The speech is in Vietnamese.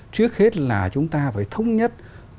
trước hết là chúng ta phải thống nhất